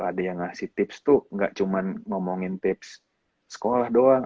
ada yang ngasih tips tuh gak cuma ngomongin tips sekolah doang